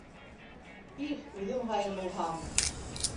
Их, үҙем һайын булһам